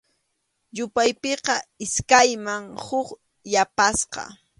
Yupaypiqa iskayman huk yapasqa.